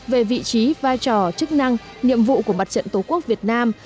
về vị trí vai trò chức năng nhiệm vụ của mặt trận tổ quốc việt nam